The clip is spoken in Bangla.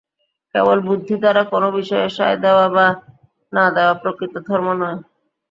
কেবল বুদ্ধি দ্বারা কোন বিষয়ে সায় দেওয়া বা না-দেওয়া প্রকৃত ধর্ম নয়।